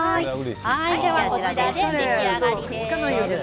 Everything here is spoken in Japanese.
これで出来上がりです。